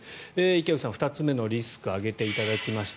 池内さん、２つ目のリスクを挙げていただきました。